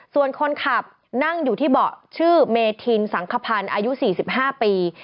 ส่วนคนขับนั่งอยู่ที่เบาะชื่อเมธินสังขพันธ์อายุ๔๕ปี